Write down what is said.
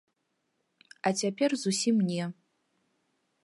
А цяпер зусім не.